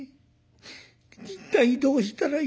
一体どうしたらいいんだろう？